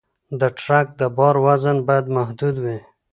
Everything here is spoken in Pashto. د ټرک د بار وزن باید محدود وي.